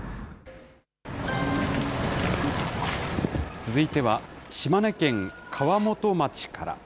続いては、島根県川本町から。